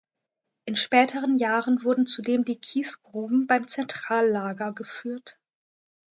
In späteren Jahren wurden zudem die Kiesgruben beim Zentrallager geführt.